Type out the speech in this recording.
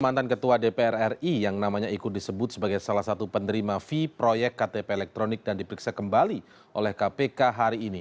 mantan ketua dpr ri yang namanya ikut disebut sebagai salah satu penerima v proyek ktp elektronik dan diperiksa kembali oleh kpk hari ini